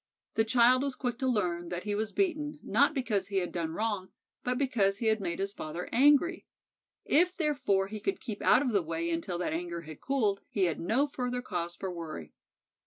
The child was quick to learn that he was beaten, not because he had done wrong, but because he had made his father angry. If, therefore, he could keep out of the way until that anger had cooled, he had no further cause for worry.